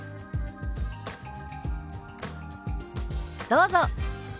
どうぞ。